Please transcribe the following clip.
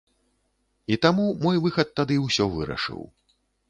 І таму мой выхад тады ўсё вырашыў.